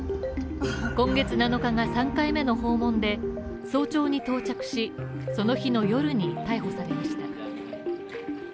今月７日が３回目の訪問で早朝に到着し、その日の夜に逮捕されました。